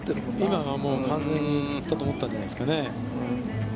今は、もう完全にと思ったんじゃないですかね。